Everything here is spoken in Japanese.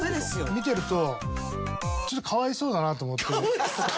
見てるとちょっとかわいそうだなと思って。